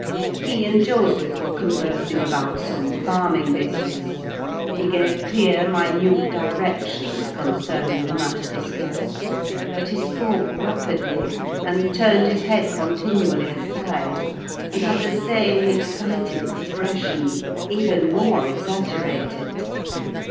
He and Joseph were conversing about some farming business; he gave clear, minute directions concerning the matter discussed, but he spoke rapidly, and turned his head continually aside, and had the same excited expression, even more exaggerated.